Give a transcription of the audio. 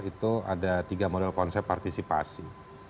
itu ada tiga model konsep partisipasi